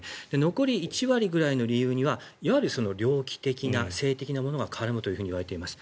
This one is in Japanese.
残り１割ぐらいの理由にはいわゆる猟奇的な性的なものが絡むといわれています。